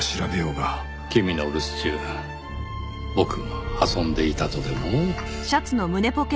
君の留守中僕が遊んでいたとでも？